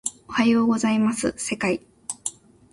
おはようございます世界